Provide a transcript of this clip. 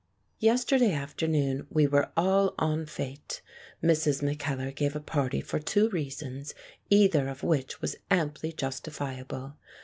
Yesterday afternoon we were all en fete; Mrs. Mackellar gave a party for two reasons, either of which was amply justifiable.